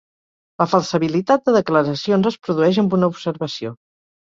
La falsabilitat de declaracions es produeix amb una observació.